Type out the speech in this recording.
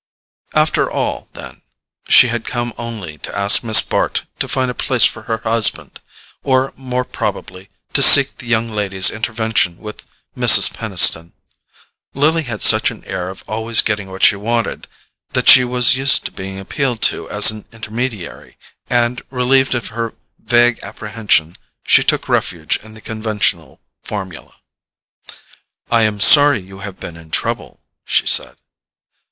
After all, then, she had come only to ask Miss Bart to find a place for her husband; or, more probably, to seek the young lady's intervention with Mrs. Peniston. Lily had such an air of always getting what she wanted that she was used to being appealed to as an intermediary, and, relieved of her vague apprehension, she took refuge in the conventional formula. "I am sorry you have been in trouble," she said.